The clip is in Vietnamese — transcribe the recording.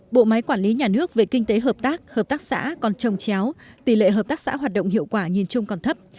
bộ máy quản lý nhà nước về kinh tế hợp tác hợp tác xã còn trông chéo tỷ lệ hợp tác xã hoạt động hiệu quả nhìn chung còn thấp